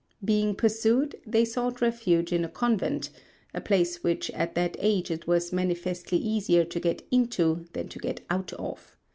Being pursued, they sought refuge in a convent a place which at that age it was manifestly easier to get into than to get out of.